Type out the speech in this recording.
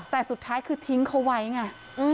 แต่สุดท้ายคือทิ้งเขาไว้ไง